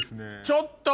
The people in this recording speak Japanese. ちょっと！